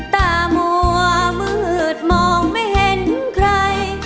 ตามัวมืดมองไม่เห็นใคร